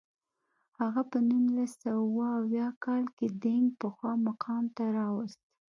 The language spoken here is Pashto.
هغه په نولس سوه اووه اویا کال کې دینګ پخوا مقام ته راوست.